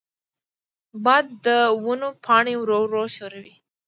باد د ونو پاڼې ورو ورو ښوروي.